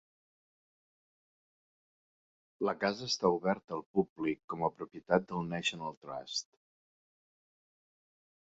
La casa està oberta al públic com a propietat del National Trust.